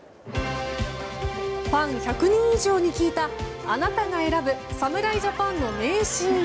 ファン１００人以上に聞いたあなたが選ぶ侍ジャパンの名シーン。